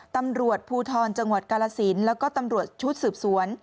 ตำรวจภูทรจังหวัดกาลสินแล้วก็ตำรวจชุดสืบสวน